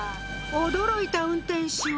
驚いた運転手は。